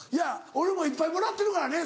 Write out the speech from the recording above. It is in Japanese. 俺いっぱいもらってるからね。